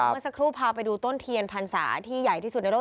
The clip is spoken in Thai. เมื่อสักครู่พาไปดูต้นเทียนพรรษาที่ใหญ่ที่สุดในโลก